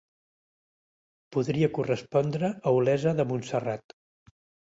Podria correspondre a Olesa de Montserrat.